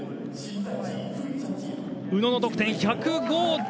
宇野の得点、１０５．４６。